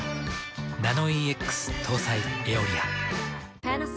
ナノイーＸ搭載「エオリア」。